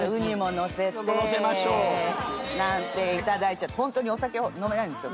のせてなんていただいちゃってホントにお酒飲めないんですよ。